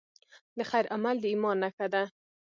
د خیر عمل د ایمان نښه ده.